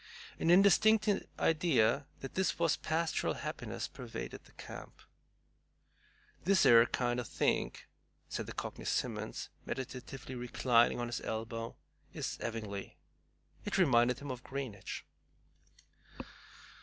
An indistinct idea that this was pastoral happiness pervaded the camp. "This 'ere kind o' think," said the Cockney Simmons, meditatively reclining on his elbow, "is 'evingly." It reminded him of Greenwich.